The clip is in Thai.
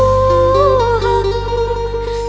ทุหัง